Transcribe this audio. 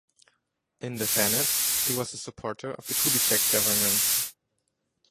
In the Senate, he was a supporter of the Kubitschek government.